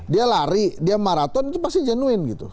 dia lari dia maraton itu pasti jenuin gitu